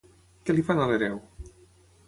Què li fan a l'hereu?